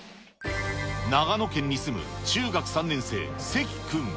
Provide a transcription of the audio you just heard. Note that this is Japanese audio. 長野県に住む中学３年生、関君。